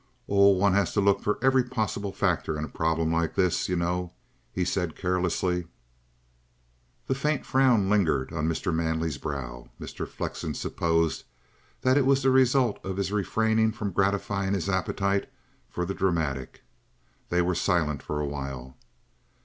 "Oh, one has to look out for every possible factor in a problem like this, you know," he said carelessly. The faint frown lingered on Mr. Manley's brow. Mr. Flexen supposed that it was the result of his refraining from gratifying his appetite for the dramatic. They were silent a while.